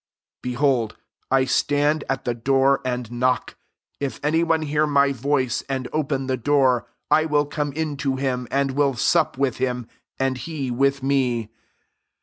9,0 Behold, 1 stand at the door and knock : if any one hear my voice, and open the door, I will come in to him, and will sup with him, and he with me.